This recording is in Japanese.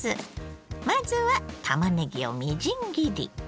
まずはたまねぎをみじん切り。